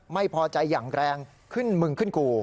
ไม่พอใจอย่างแรงขึ้นมึงขึ้นกู